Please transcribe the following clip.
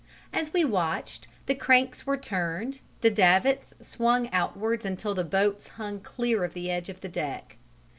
As we watched, the cranks were turned, the davits swung outwards until the boats hung clear of the edge of the deck.